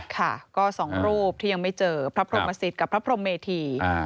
ค่ะก็สองรูปที่ยังไม่เจอพระพรหมสิตกับพระพรมเมธี